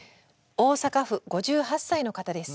大阪府５８歳の方です。